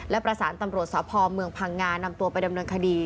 และประสานตำรวจสพเมืองพังงานำตัวไปดำเนินคดี